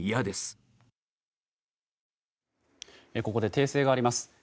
ここで訂正があります。